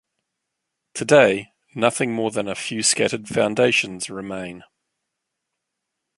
Today, nothing more than a few scattered foundations remain.